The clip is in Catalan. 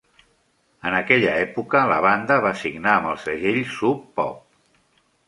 En aquella època, la banda va signar amb el segell Sub Pop.